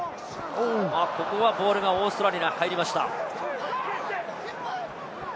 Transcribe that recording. ここはボールがオーストラリアに入りました。